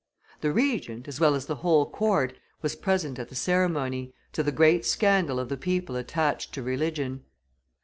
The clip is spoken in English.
The Regent, as well as the whole court, was present at the ceremony, to the great scandal of the people attached to religion.